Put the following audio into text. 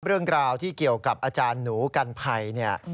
เรื่องราวที่เกี่ยวกับอาจารย์หนูกันภัยเนี่ย